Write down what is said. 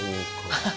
ハハハハ！